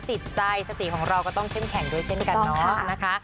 จิตใจสติของเราก็ต้องเข้มแข็งด้วยเช่นกันเนาะนะคะ